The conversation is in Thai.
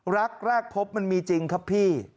รักแรกพบมันมีจริงครับพี่